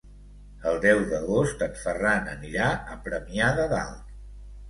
El deu d'agost en Ferran anirà a Premià de Dalt.